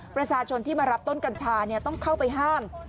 ประชาชนที่มารับต้นกัญชาต้องเข้าไปห้าม